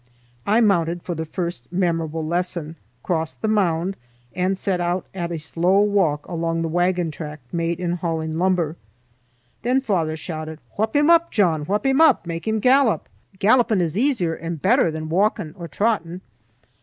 I mounted for the first memorable lesson, crossed the mound, and set out at a slow walk along the wagon track made in hauling lumber; then father shouted: "Whup him up, John, whup him up! Make him gallop; gallopin' is easier and better than walkin' or trottin'."